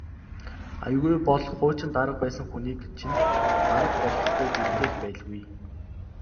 Аягүй бол хуучин дарга байсан хүнийг чинь дарга болгох гээд үлдээх байлгүй.